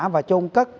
và trôn cất